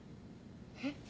えっ？